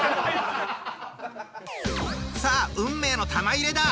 さあ運命の玉入れだ。